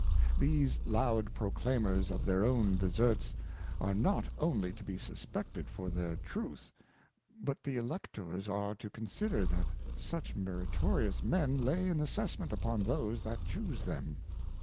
These loud proclaimers of their own Deserts, are not only to be suspected for their truth, but the Electors are to consider that such meritorious Men lay an assessment upon those that Chuse them.